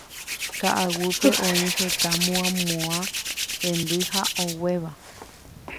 Ka'aguýpe oĩ heta muãmuã hendy ha oguéva.